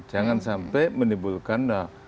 jangan sampai menimbulkan